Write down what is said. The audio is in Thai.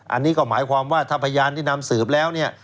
อันนี้ก็หมายความว่าถ้าพยานที่นำสืบแล้วเนี่ย